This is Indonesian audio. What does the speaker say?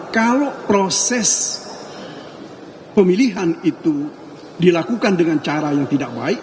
kalau proses pemilihan itu dilakukan dengan cara yang tidak baik